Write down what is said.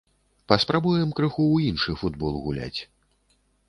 Паспрабуем крыху ў іншы футбол гуляць.